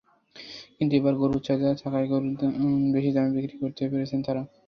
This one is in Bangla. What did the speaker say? কিন্তু এবার গরুর চাহিদা থাকায় গরু বেশি দামে বিক্রি করতে পেরেছেন তাঁরা।